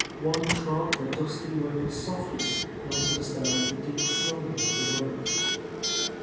One trod the dusty roads softly, not to disturb the deep slumber of the world.